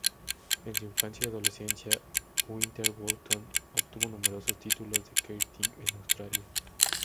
En su infancia y adolescencia, Winterbottom obtuvo numerosos títulos de karting en Australia.